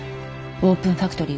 オープンファクトリー？